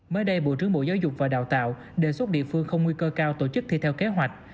mới đây bộ trưởng bộ giáo dục và đào tạo đề xuất địa phương không nguy cơ cao tổ chức thi theo kế hoạch